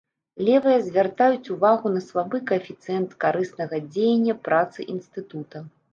Левыя звяртаюць увагу на слабы каэфіцыент карыснага дзеяння працы інстытуту.